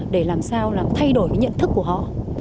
để làm sao thay đổi nhận thức của họ